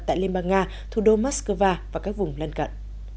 tại liên bang nga thủ đô moscow và các vùng lân cận